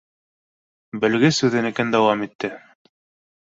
— Белгес үҙенекен дауам итте.